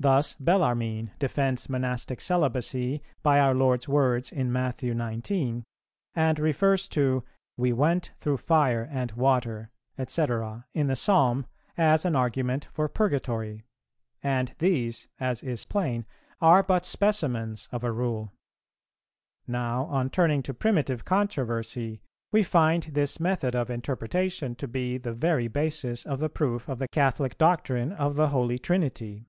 Thus Bellarmine defends Monastic celibacy by our Lord's words in Matthew xix., and refers to "We went through fire and water," &c., in the Psalm, as an argument for Purgatory; and these, as is plain, are but specimens of a rule. Now, on turning to primitive controversy, we find this method of interpretation to be the very basis of the proof of the Catholic doctrine of the Holy Trinity.